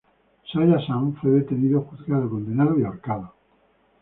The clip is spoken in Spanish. Saya San, fue detenido, juzgado, condenado y ahorcado.